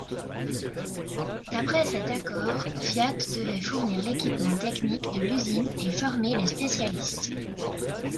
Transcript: D'après cet accord, Fiat devait fournir l'équipement technique de l'usine et former les spécialistes.